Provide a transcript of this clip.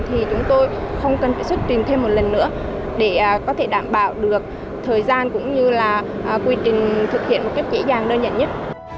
thì chúng tôi không cần phải xuất trình thêm một lần nữa để có thể đảm bảo được thời gian cũng như là quy trình thực hiện một cách dễ dàng đơn nhận nhất